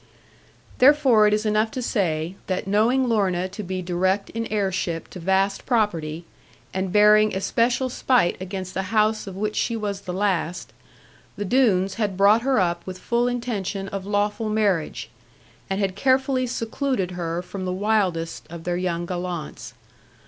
Therefore it is enough to say, that knowing Lorna to be direct in heirship to vast property, and bearing especial spite against the house of which she was the last, the Doones had brought her up with full intention of lawful marriage; and had carefully secluded her from the wildest of their young gallants.